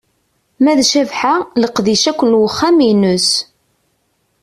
Ma d Cabḥa, leqdic akk n uxxam ines.